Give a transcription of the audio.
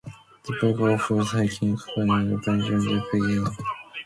The park offers hiking, canoeing, camping, fishing and picnicking.